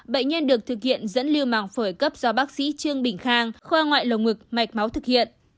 bệnh nhân được thực hiện dẫn lưu màng phổi cấp do bác sĩ trương bình khang khoa ngoại lồng ngực mạch máu thực hiện